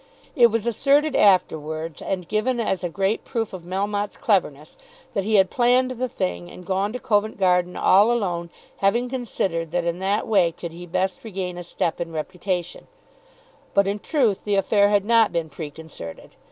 It was asserted afterwards, and given as a great proof of Melmotte's cleverness, that he had planned the thing and gone to Covent Garden all alone having considered that in that way could he best regain a step in reputation; but in truth the affair had not been preconcerted.